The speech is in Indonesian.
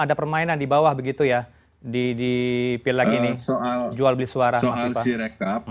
ada permainan di bawah begitu ya di pil lagi ini jual beli suara